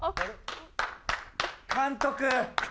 監督！